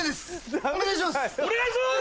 判定お願いします。